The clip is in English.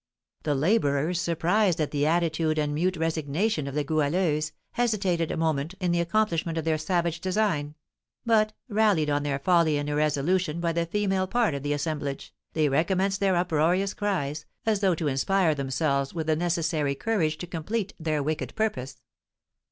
The labourers, surprised at the attitude and mute resignation of the Goualeuse, hesitated a moment in the accomplishment of their savage design; but, rallied on their folly and irresolution by the female part of the assemblage, they recommenced their uproarious cries, as though to inspire themselves with the necessary courage to complete their wicked purpose.